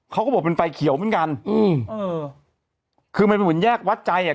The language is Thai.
เขาก็บอกเป็นไฟเขียวเหมือนกันอืมเออคือมันเป็นเหมือนแยกวัดใจอ่ะ